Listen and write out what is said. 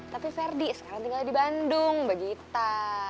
tapi ferdi sekarang tinggal di bandung mbak gita